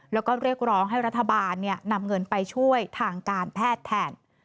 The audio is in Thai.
แล้วก็เรียกร้องให้รัฐบาลนำเงินไปช่วยทางการแพทย์แทน